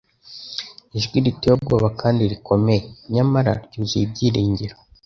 ijwi riteye ubwoba kandi rikomeye, nyamara ryuzuye ibyiringiro :